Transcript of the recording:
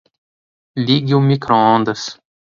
Ligue o microondas